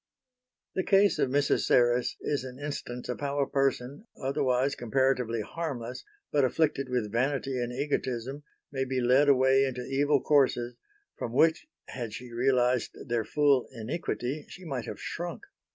The case of Mrs. Serres is an instance of how a person, otherwise comparatively harmless but afflicted with vanity and egotism, may be led away into evil courses, from which, had she realised their full iniquity, she might have shrunk.